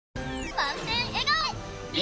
満点笑顔で。